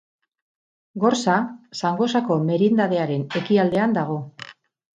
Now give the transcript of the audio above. Gorza Zangozako merindadearen ekialdean dago.